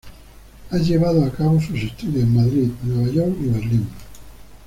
Ha llevado a cabo sus estudios en Madrid, Nueva York y Berlín.